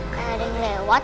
kayak ada yang lewat